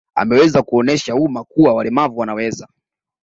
Ameweza kuuonyesha umma kuwa walemavu wanaweza